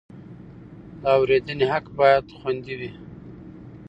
د اورېدنې حق باید خوندي وي.